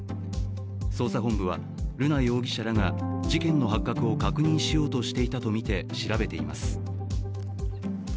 捜査本部は瑠奈容疑者らが、事件の発覚を確認していたとみて調べています。